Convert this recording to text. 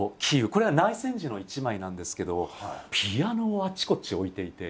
これは内戦時の一枚なんですけどピアノをあちこち置いていて。